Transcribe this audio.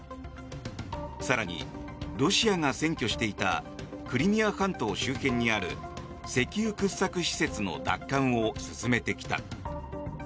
更に、ロシアが占拠していたクリミア半島周辺にある石油掘削施設の奪還を進めてきた。